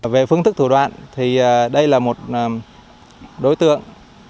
về phương thức thủ đoạn thì đây là một đối tượng